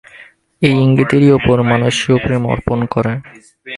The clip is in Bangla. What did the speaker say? এই ইঙ্গিতেরই উপর মানুষ স্বীয় প্রেম অর্পণ করে।